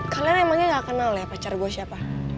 kalian emangnya gak kenal ya pacar gue siapa